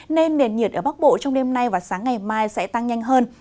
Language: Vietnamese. nên nền nhiệt ở bắc bộ trong đêm nay và sáng ngày mai sẽ tăng nhanh hơn